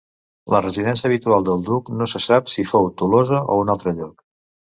La residència habitual del duc no se sap si fou Tolosa o un altre lloc.